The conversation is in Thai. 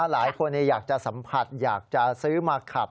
หลายคนอยากจะสัมผัสอยากจะซื้อมาขับ